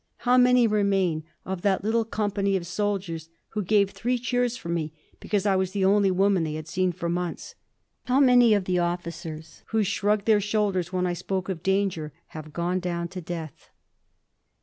How many remain of that little company of soldiers who gave three cheers for me because I was the only woman they had seen for months? How many of the officers who shrugged their shoulders when I spoke of danger have gone down to death?